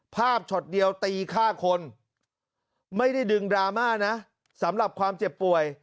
ช็อตเดียวตีฆ่าคนไม่ได้ดึงดราม่านะสำหรับความเจ็บป่วย